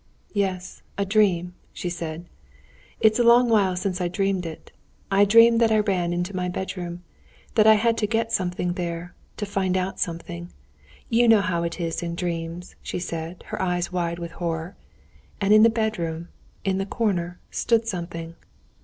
"Yes, a dream," she said. "It's a long while since I dreamed it. I dreamed that I ran into my bedroom, that I had to get something there, to find out something; you know how it is in dreams," she said, her eyes wide with horror; "and in the bedroom, in the corner, stood something."